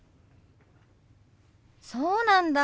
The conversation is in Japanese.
そうなんだ。